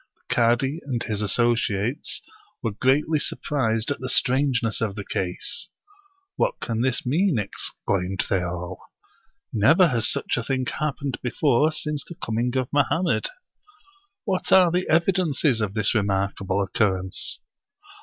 The cadi and his associates were greatly surprised at the strangeness of the case. "What can this mean?" exclaimed they all. " Never has such a thing happened before since the coming of Mohammed. What are the evidences of this remark able occurrence?"